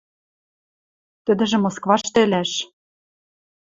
– Тӹдӹжӹ Москвашты ӹлӓш.